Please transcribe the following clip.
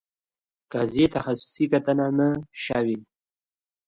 قضیې تخصصي کتنه نه شوې.